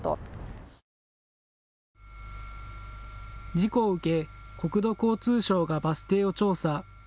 事故を受け国土交通省がバス停を調査。